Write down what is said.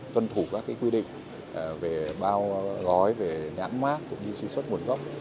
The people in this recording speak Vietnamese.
tuân thủ các cái quy định về bao gói về nhãn mát cũng như sứ xuất nguồn gốc